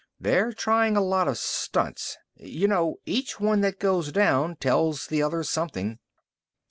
They're trying a lot of stunts. You know, each one that goes down tells the others something."